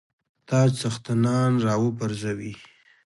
تاج څښتنان را وپرزوي.